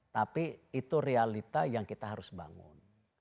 tapi itu realita yang kita harus bangun